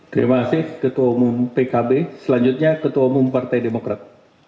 terima kasih ketua umum pkb selanjutnya ketua umum partai demokrat